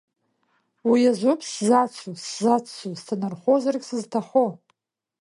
Уи азоуп сзацу, сзаццо, сҭанархозаргь сызҭахо.